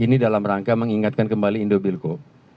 ini dalam rangka mengingatkan kembali indobilco